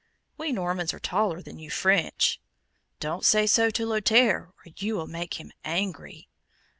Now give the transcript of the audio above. "We Normans are taller than you French." "Don't say so to Lothaire, or you will make him angry."